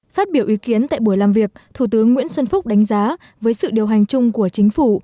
phát biểu ý kiến tại buổi làm việc thủ tướng nguyễn xuân phúc đánh giá với sự điều hành chung của chính phủ